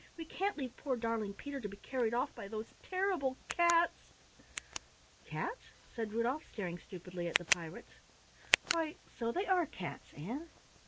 We can't leave poor darling Peter to be carried off by those terrible cats." "Cats?" said Rudolf, staring stupidly at the pirates. "Why so they are cats, Ann!